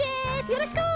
よろしく！